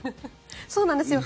そうなんですよ。